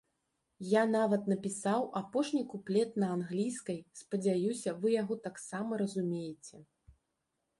Я нават напісаў апошні куплет на англійскай, спадзяюся, вы яго таксама разумееце.